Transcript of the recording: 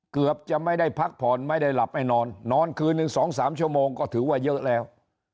เกือบจะไม่ได้พักผ่อนไม่ได้หลับให้นอนนอนคืนหนึ่ง๒๓ชั่วโมงก็ถือว่าเยอะแล้ว